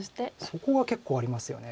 そこが結構ありますよね。